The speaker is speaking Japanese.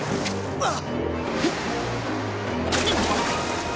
あっ。